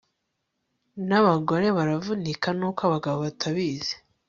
nabagore baravunika nuko abagabo batabizi